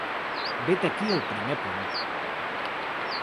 Vet aquí el primer punt.